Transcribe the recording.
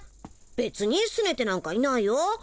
べつにすねてなんかいないよ。